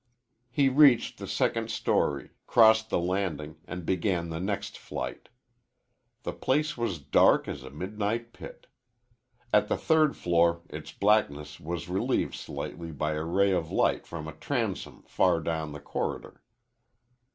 He reached the second story, crossed the landing, and began the next flight. The place was dark as a midnight pit. At the third floor its blackness was relieved slightly by a ray of light from a transom far down the corridor.